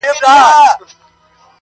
• نه به په خولو کي نه به په زړه یم-